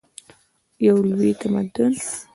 یو لوی تمدن.